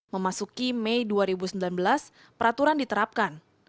memasuki mei dua ribu sembilan belas peraturan diterapkan